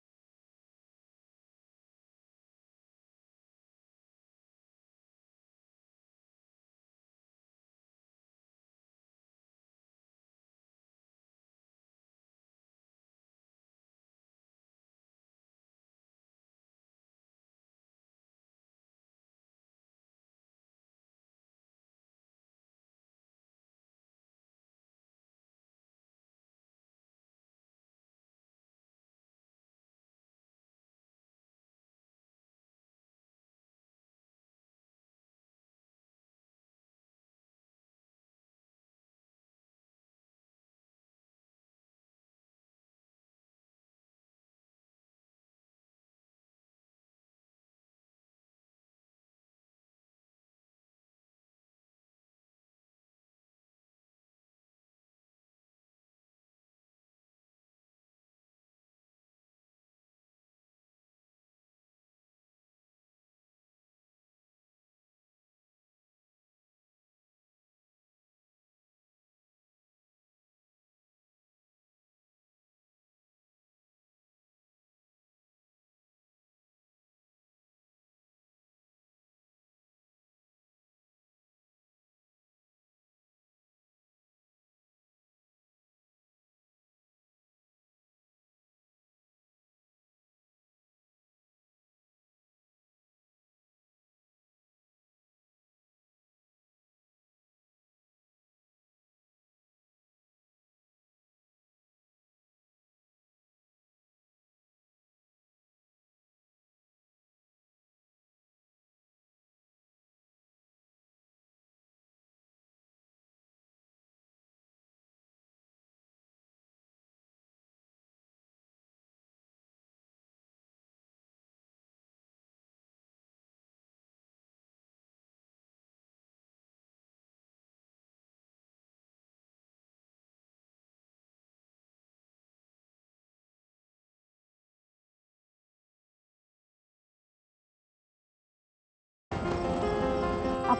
aku mau ke rumah